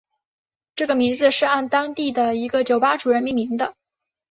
这个名字是按当地的一个酒吧主人命名的。